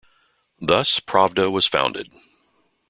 Thus "Pravda" was founded.